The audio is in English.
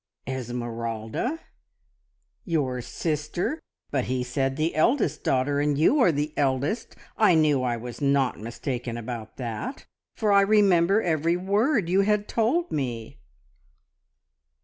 "Esmeralda! your sister but he said the eldest daughter, and you are the eldest. I knew I was not mistaken about that, for I remember every word you had told me."